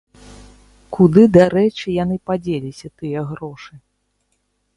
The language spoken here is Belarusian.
Куды, дарэчы, яны падзеліся, тыя грошы?